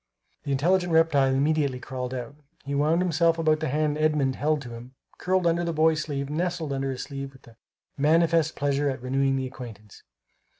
The intelligent reptile immediately crawled out. He wound himself about the hand Edmund held to him, curled under the boy's sleeve, nestled under his sleeve with manifest pleasure at renewing the acquaintance.